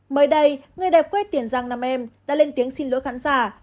mới đây người đẹp quê tiền giang nam em đã lên tiếng xin lỗi khán giả